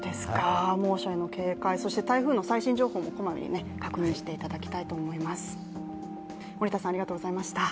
猛暑への警戒、台風の最新情報もこまめに確認していただきたいと思います。